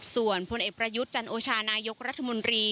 ส่วนพลเอกประยุทธ์จันโอชานายกรัฐมนตรี